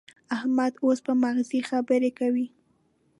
احمد اوس په مغزي خبرې کوي.